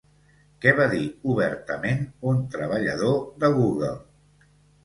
Què va dir obertament un treballador de Google?